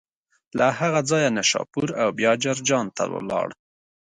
له هغه ځایه نشاپور او بیا جرجان ته ولاړ.